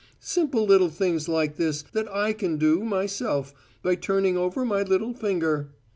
Simple little things like this, that I can do, myself, by turning over my little finger!'